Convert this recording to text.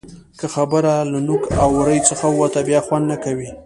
که خبره له نوک او ورۍ څخه ووته؛ بیا خوند نه کوي.